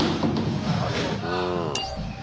うん。